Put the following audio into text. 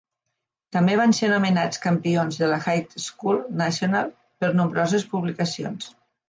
També van ser nomenats campions de la High School National per nombroses publicacions.